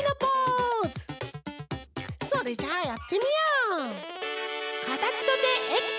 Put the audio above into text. それじゃあやってみよう！